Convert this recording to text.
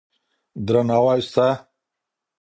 درناوی سته.